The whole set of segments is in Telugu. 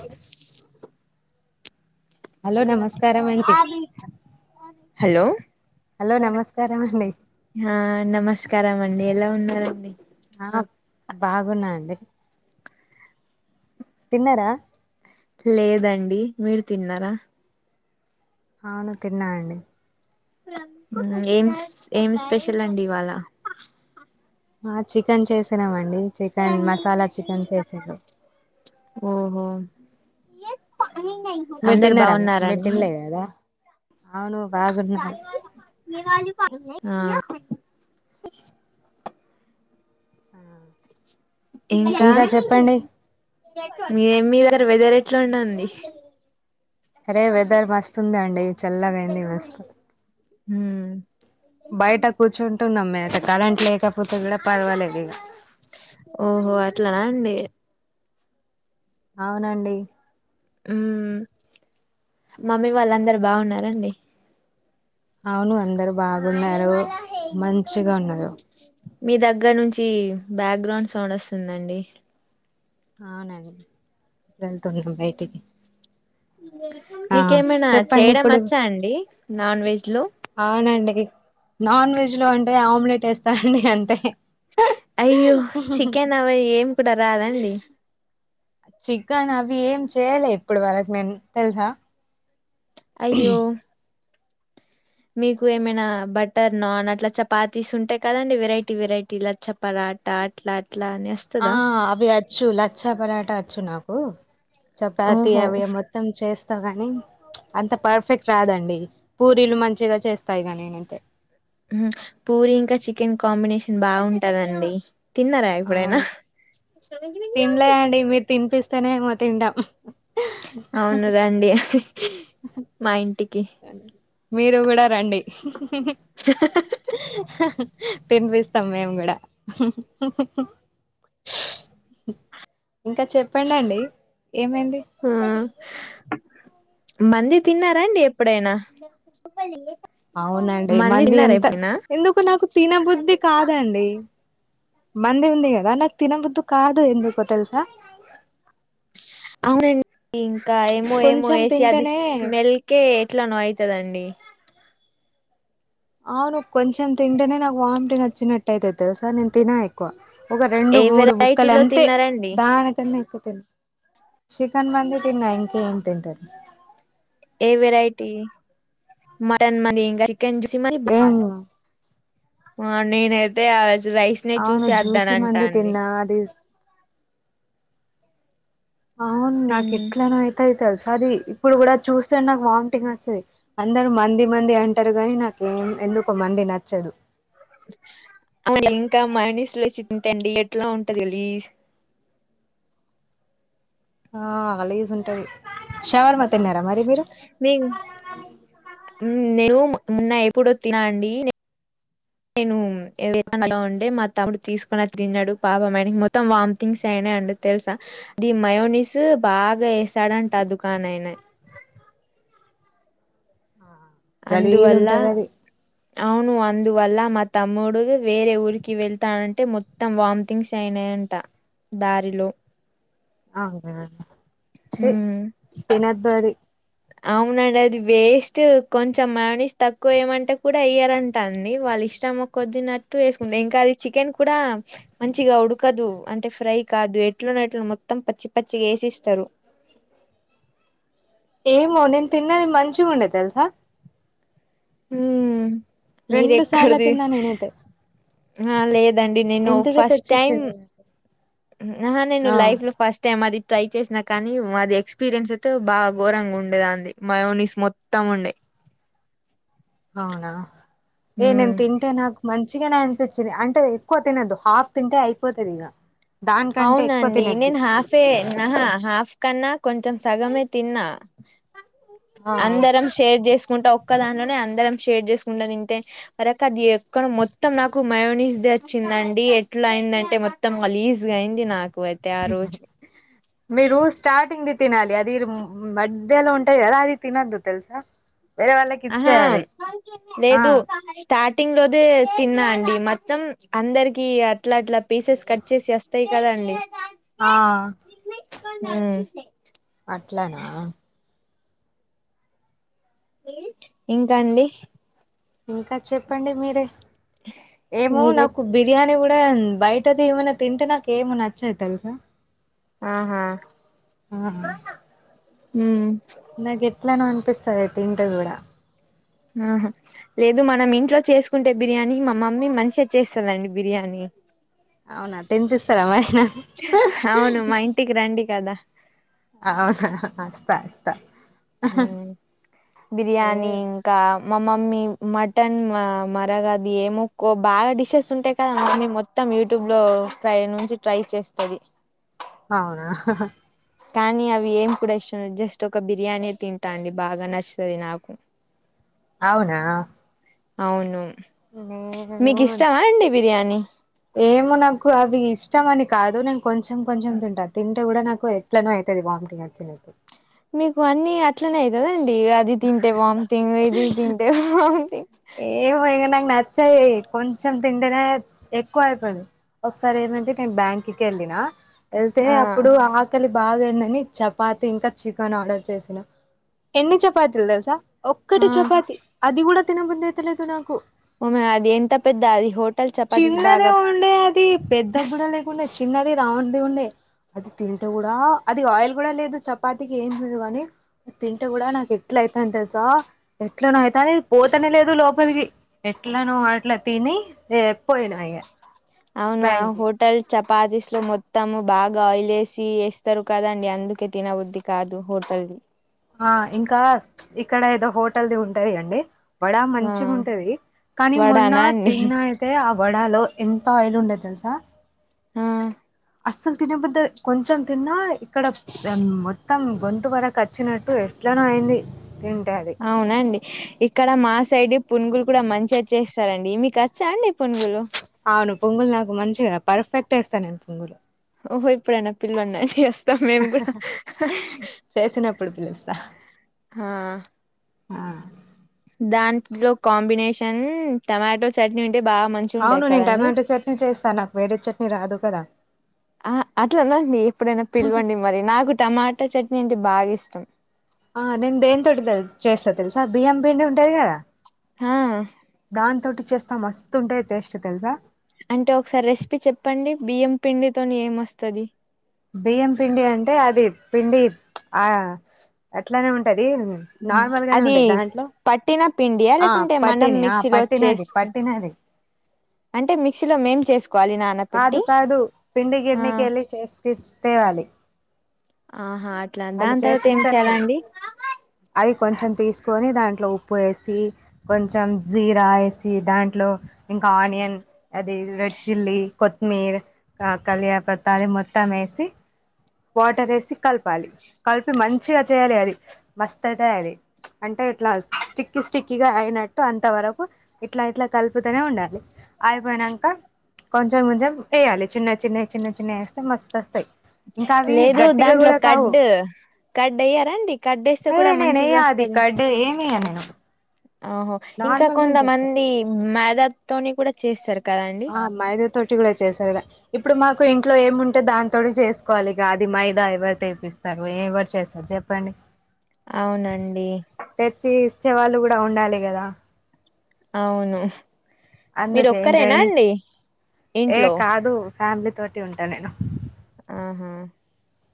చెప్ హలో నమస్కారం అండి హలో హలో నమస్కారం హా నమస్కారం అండి ఎలా ఉన్నారండి? ఆ బాగున్నా అండి. తిన్నారా? లేదండి మీరు తిన్నారా? హవును తిన్నా అండి. ఉమ్ ఏంస్ ఏం స్పెషల్ అండి ఇవాళ? ఆ చికెన్ చేసినాం అండి చికెన్ మసాలా చికెన్ చేసిర్రు ఓహో! మీరు అందరు తిన్నారా మీరు బాగున్నారండి? తినలే కదా అవును బాగున్నారు ఆ ఇంకా మీ ఎం మీ దగర వెదర్ ఎట్లా ఉందండి? అరే వెదర్ మస్తుందండి చల్లగా అయింది మస్తు హ్ము్ బయట కూర్చుంటునంమ్మే అయితే కరెంట్ లేకపోతే కూడా పర్వాలేదిగ ఓహో అట్లానా అండి. అవునండి ఉమ్ మమ్మీ వాళ్ళందరు బావున్నార అండి? అవును అందరు బాగున్నారు మంచిగా ఉన్నారు. మీ దగ్గర్నుంచి బ్యాక్గ్రౌండ్ సౌండ్ వస్తుందండి అవునండి వెళ్తున్నాం బయటికి ఆ మీకేమైనా చెప్పండి చేయడం ఇప్పుడు వచ్చా అండి నాన్ వెజ్ లో అవునండి నాన్ వెజ్ లో అంటే ఆమ్లెట్ వేస్తా అండి అంతే అయ్యో చికెన్ అవి ఏంపుడు రాదా అండి? చికన్ అవి ఏం చేయలే ఇప్పడు వరకు నేన్ తెల్సా? అయ్యో! మీకు ఏమైనా బటర్ నాన్ అట్లా చపాతీస్ ఉంటాయ్ కదండి వెరైటీ వెరైటీ లా చప్ పరాట అట్లా అట్లా అనేస్ ఆ అవి వచ్చు లచ్చా పరాట వచ్చు నాకు చపాతి ఓహో అవి మ మొత్తం చేస్తాకాని ప్చ్ అంత పర్ఫెక్ట్ రాదండి పూరీలు మంచిగా చేస్తా ఇగ నేనైతే ఊహు పూరి ఇంకా చికెన్ కాంబినేషన్ బావుంటదండి తిన్నార ఎప్పుడైనా? అవును తినలే అండి మీరు తిన్పిస్ తినేమో తింటామ్ అవును రండి మా ఇంటికి మీరు గుడా రండి తిన్పిస్తాం మేము గుడా ఇంకా చెప్పండండి ఏమైంది? ఆ మంది తిన్నారా అండి ఎప్పుడైనా అవునండి మంది తిన్నారా ఎంత ఎప్పుడైనా ఎందుకో నాకు తినబుద్ధి కాదండి మంది ఉంది కదా నాకు తిన బుద్ధి కాదు ఎందుకో తెలుసా అవునండి ఇంకా ఏమో ఏమో కొంచెం వేసి అది తింటేనే స్మెల్కే ఎట్లనో అయితాదండి అవును కొంచెం తింటేనే నాకు వామిటింగ్ వచ్చినట్టు అయితది తెలుసా నేను తినాయి క్కువ ఒక రెండు ఏ మూడు ముక్కలు వెరైటీలో అంతే తిన్నారండి దానికన్నా ఎక్కువ తె చికన్ మంది తిన్న ఇంకా ఏం తింటారు ఏం వెరైటీ మటన్ మని చికెన్ మ ఏం ఉ నేనైతే రైస్ నే చూసి అవును జ్యూసీ చేస్తానంట మంది అండి తిన్నా అది అవును నాకు నేను ఎట్లను అయితేయి తెలుసా అది ఇప్పుడు కూడా చూస్తే నాకు వామిటింగ్ వస్తది అందరూ మండి మండి అంటారు కానీ నాకు ఎందుకో మండి నచ్చదు [inaudible] ఇంకా మనుషు వచ్చి తింటండి ఎట్లా ఉంటంది గలీజ్ గా ఆ గలీజ్ గా ఉంటాది షవర్మ తిన్నారా మరి మీరు మే ఉ మొన్న ఎప్పుడో తిన్నానండి నేను [inaudible] ఉంటే మా తమ్ముడు తీసుకునీ తిన్నాడు పాపం వాడికి మొత్తం వాంటింగ్స్ అయినాయి అండ్ తెలుసా అది మయూనిస్ బాగా వేసాడంట ఆ దుకాణాయన ఆ అందువల్ల అవును అందువల్ల మా తమ్ముడు వేరే ఊరికి వెళ్తా అంటే మొ మొత్తం వాంటింగ్స్ అయినాయంట దారిలో అవునా చీ ఉమ్ తినద్దది అవునండి అది వేస్ట్ కొంచెం మయూనిస్ తక్కువ ఏమంటే కూడా ఎయ్యరంటాండి వాళ్ల ఇష్టము కొద్దిన్నట్టు వేసుకుండే ఇంకా అది చికెన్ కూడా మంచిగా ఉడకదు అంటే ఫ్రై కాదు ఎట్లనో అట్ల మొత్తం పచ్చి పచ్చిగా వేసేస్తారు ఏమో నేను తిన్నది మంచిగా ఉండే తెలుసా ఉ మీరు రెండు సార్లు ఎక్కడిది తిన్నా నేనైతే ఆ లేదండి నేను ఇంటికే ఫస్ట్ టైం తెచ్చిచ్చిర్రు ఉ నేను ఆ లైఫ్ లో ఫస్ట్ టైమ్ అది ట్రై చేసినా కానీ మాది ఎక్స్పీరియన్స్ తో బాగా ఘోరంగా ఉండే అది మయూనిస్ మొత్తం మొత్తం ఉండే అవునా ఏ నేను హ్మ్ తింటే నాకు మంచిగానే అనిపించింది అంటే ఎక్కువ తినొద్దు హాఫ్ తింటే అయిపోతుంది ఇగ దానికంటే ఎక్కువ అవునండి తినద్ది నేను హాఫ్ ఎ ఆహా హాఫ్ కన్నా కొంచెం సగమే తిన్న ఆ అందరం షేర్ చేసుకుంటా ఒక్క దాంట్లోనే అందరం షేర్ చేసుకుంటా తింటే అరక అది ఎక్కడ మొత్తం నాకు మయోనిస్ దే వచ్చిందండి ఎట్లా అయిందంటే మొత్తం గలీజ్ అయ్యింది నాకు [inaudible] మీరు స్టార్టింగ్ ది తినాలి అది ఉ మధ్యలో ఉంటది కదా అది తినొద్దు తెలుసా వేరే వాళ్ళకి ఆహా ఇచ్చేయాలి ఆ లేదు స్టార్టింగ్ లోదే తిన్నా అండి మొత్తం అందరికి అట్లా అట్లా పీసెస్ కట్ చేసి తేకదండి ఆ ఉ అట్లనా ఇంకా అండి ఇంకా చెప్పండి మీరే ఏమో మీరే నాకు బిర్యానీి కూడా బయటది ఏమైనా తింటే నాకేమో నచ్చదు తెలుసా ఆహా ఆ మ్ నాకు ఎట్లానో అనిపిస్తది తింటే కూడా ఆహా లేదు మనం ఇంట్లో చేసుకుంటే బిర్యానీ మా మమ్మీ మంచిగ చేస్తాదండి బిర్యానీ అవునా తినిపిస్తార మరి నాకు అవును మా ఇంటికి రండి కదా అవునా అస్తా అస్తా మ్ [inaudible] ఏ బిర్యానీ ఇంకా మ మమ్మీ మటన్ మా మరగది ఏమో కో బాగా డిషెస్ ఉంటాయి కదా అన్నీ మొత్తం యూట్యూబ్లో ట్రై నుంచి ట్రై చేస్తది అవునా కానీ అవి ఏం కూడా ఇష్టలే జస్ట్ ఒక బిర్యానీ తింటా అండి బాగా నచ్చుతది నాకు అవునా అవును నేను మీకీష్టమా అండి బిర్యానీ ఏమో నాకు అవి ఇష్టం అని కాదు నేన్ కొంచెం కొంచెం తింటా తిం టె కూడా నాకు ఎట్లనో అయితది వామిటింగ్ వచ్చినట్టు మీకు అన్ని అట్లనే అయితదండి అది తింటే వామితింగ్ ఇది తింటే వామితింగ్ ఏవో ఇగ నాకు నచ్చయి కొంచెం తింటేనే ఎక్కువయితది ఒకసారి ఏమంటే నేన్ బ్యాంక్ కి ఎళ్ళిన ఎళ్తే ఆ అప్పుడు ఆ కేలి బాగేందని చపాతి ఇంకా చికెన్ ఆర్డర్ చేసినా ఎన్ని చపాతీల్ తెలుసా ఆ ఒక్కటే చపాతి అది గుడా తినబుధైతలేదు నాకు ఉమే అది ఎంత పెద్ద అది హోటల్ చపాతీస్ బాగా థీ పెద్ద బుడ లేకుండే చిన్నది రౌండ్ ది ఉండే అది తింటే కూడా అది ఆయిల్ కూడా లేదు చపాతికి ఏం [unintelligible] కాని తింటే కూడా నాకు ఎట్ల అయితాంది తెలుసా ఎట్లనొ అయితంది పోతనే లేదు లోపలికి ఎట్లానొ అట్లా తిని ఏ పోయినా ఇగ అవునా బ్యాంక్కి హో ట్టల్ చపాతీస్లో మొత్తము బాగా ఆయిలేసి వేస్తారు కదాండి అందుకే తినబుద్ధి కాదు హోటల్ ది ఆ ఇంకా ఇక్కడ ఏదో హోటల్ది ఉంటాది అండి వడా ఆ మంచిగా ఉంటది కానీ మొన్న వడానా అండి తిన్నా తే ఆ వడాలో ఎంత ఆయిల్ ఉండేది తెలుసా ఆ అస్సలు తినబుద్ కొంచెం తిన్నా ఇక్కడ దా మొత్తం గొంతు వరకు వచ్చినట్టు ఎట్లనో అయింది తింటే అది అవునండి ఇక్కడ మా సైడ్ పునుగులు కూడా మంచి వచ్చేస్తారండి మీకు వచ్చా అండి పునుగులు అవును పునుగులు నాకు మంచిగా పర్ఫెక్ట్ ఏస్తా నేను పొంగులు ఓహో ఎప్పుడైనా పిలవండి వస్తం మేము కూడా చేసినప్పుడు పిలుస్తా ఆ ఆ దాంట్లో కాంబినేషన్ టమాటో చట్నీ ఉంటే బాగా మంచ్ అవును నేను టమాటో చట్నీ చేస్తాను నాకు వేరే చట్నీ రాదు కదా. ఆ అట్లాందండి ఎప్పుడైనా పిలవండి మరి నాకు టమాటా చట్నీ అంటే బాగా ఇష్టం. ఆ నేను దేని తోటి తె చేస్తా తెలుసా బియ్యం పిండి ఉంటది కదా ఆ దాని తోటి చేస్తా మస్తుంటే టేస్ట్ తెలుసా? అంటే ఒకసారి రెసిపీ చెప్పండి బియ్యం పిండి తోని ఏం వస్తది? బియ్యం పిండి అంటే అది పిండి ఆ అట్లానే ఉంటది. నార్మల్ గానే అది ఉంటది దాంట్లో పట్టిన పిండియా ఆ లేకుంటే మనం పట్టిని ఆ మిక్సీలో పట్టినది చేసుకో పట్టినది అంటే మిక్సీలో మేం చేసుకోవాలి నాన్ కాదు కాదు పిండి గిన్నెకి వెళ్ళి చేసుకిచ్చే తేవాలి. ఆహా అట్లా ఆళ్ళు దాని తర్వాత ఏం చేసిస్తారు కదా చేయాలండి అది కొంచెం తీసుకొని దాంట్లో ఉప్పు వేసి కొంచెం జీరా వేసి దాంట్లో ఇంకా ఆనియన్ అది రెడ్ చిల్లీ కొత్తిమీర, ఆ కలియపత్తా అది మొత్తం వేసి వాటర్ వేసి కలపాలి కలిపి మంచిగా చేయాలి అది మస్త అయితది అది అంటే ఎట్లా స్టిక్కి స్టిక్కిగా అయినట్టు అంత వరకు ఇట్లా ఇట్లా కలుపుతూనే ఉండాలి. అయిపోయినంక కొంచెం కొంచెం ఏయాలి చిన్న చిన్నయి చిన్న చిన్న వేస్తే మస్తు అస్తాయి. లేదు దాంట్లో కడ్డు కడ్డ్ ఏయ్యరాండి కడ్డ వేస్తే ఏ కూడా నేను ఏయ మంచిగా అది కర్డ్ ఏమి ఏయను నేను ఆహో ఇంకా నార్మల్గానే చేస్తా కొంతమంది మైదా తోని కూడా చేస్తారు కదం అ మైదా తొటి కూడా చేశారుగా ఇప్పుడు మాకు ఇంట్లో ఏముంటే దాని తోటి చేసుకోవాలిగా అది మైదా ఎవరు తెపిస్తారు, ఎవరు చేస్తారు? చెప్పండి అవునండి తెచ్చి ఇచ్చే వాళ్ళు కూడా ఉండాలి కదా అవును మీరు అందుకే ఇంకా ఒక్కరేనా అండి ఏ ఇంట్లో? కాదు ఫ్యామిలీ తోటి ఉంటా నేను ఆహా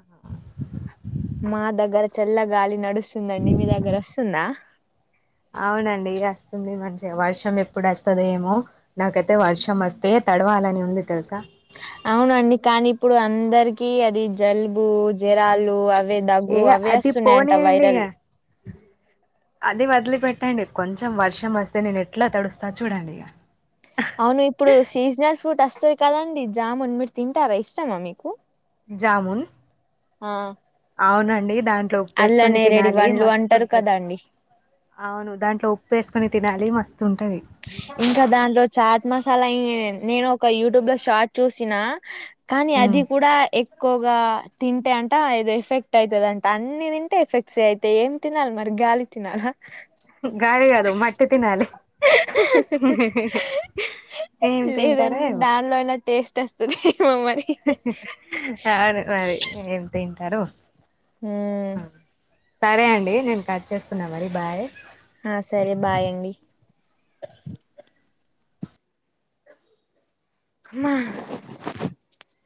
ఆహా మా దగ్గర చల్ల గాలి నడుస్తుందండి మీ దగ్గర వస్తుందా? అవునండి వస్తుంది మంచిగా వర్షం ఎప్పుడు వస్తద ఏమో? నాకైతే వర్షం వస్తే తడవాలని ఉంది తెలుసా? అవునండి కానీ ఇప్పుడు అందరికి అది జలుబు, జరాలు అ అవే ఏ దగ్గు అవే అది వస్తున్నాయంట పోనీయండి ఇగ వైరల్ అది వదిలి పెట్టండి కొంచెం వర్షం వస్తే నేను ఎట్లా తడుస్తా చూడండి ఇగ అవును ఇప్పుడు సీజనల్ ఫ్రూట్ వస్తది కదండి, జామున్ మీరు తింటారా ఇష్టమా మీకు? జామున్ ఆ అవునండి దాంట్లో అల్ల ఉప్పేసుకొని నేరేడి తినాలి పండ్లు మస్తు అంటారు ఉంటది. కదండి అవును దాంట్లో ఉప్పు యేసుకొని తినాలి మస్తుంటది. ఇంకా దాంట్లో చాట్ మసాలా ఎన్ నేను ఒక యూట్యూబ్ లో షార్ట్ చూసిన కాని ఉమ్. అది కూడా ఎ క్కువగా తింటే అంట ఏదో ఎఫెక్ట్ అయితదంట అన్ని తింటే ఎఫెక్ట్స్ ఐతాయి ఏం తినాలి మరి గాలి తినలా గాలి కాదు మట్టి తినాలి ఏం తింటారో లేదండి ఏమో దా, నిలోనే టేస్ట్ వస్ దేమో మరి అవును మరి ఏం తింటరు. హ్మ్ సరే అండి నేను కట్ చేస్తున్నా మరి బాయ్. ఆ సరే బాయండి. మ